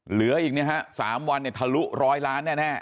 เหลืออีกนะฮะ๓วันเนี่ยทะลุร้อยล้านแน่